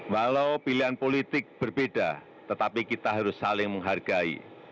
walau pilihan politik berbeda tetapi kita harus saling menghargai